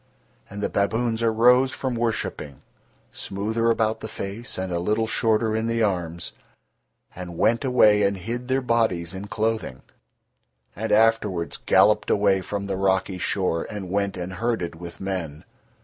And the baboons arose from worshipping, smoother about the face and a little shorter in the arms, and went away and hid their bodies in clothing, and afterwards galloped away from the rocky shore and went and herded with men.